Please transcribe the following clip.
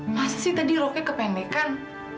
masa sih tadi roknya kependekan